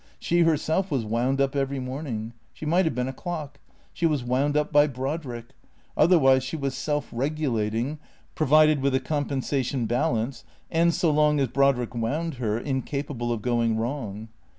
She herself was wound up every morning. She might have been a clock. She was wound up by Brodrick; otherwise she was self regulating, provided with a compensation balance, and so long as Brodrick wound her, incapable of going wrong.